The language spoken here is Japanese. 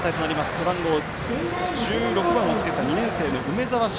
背番号１６番をつけた２年生の梅澤翔